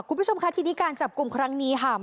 คุณผู้ชมค่ะทีนี้การจับกลุ่มครั้งนี้ค่ะ